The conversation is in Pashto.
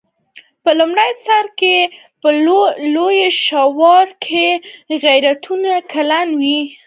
په لومړي سر کې په لویه شورا کې غړیتوب کلن و.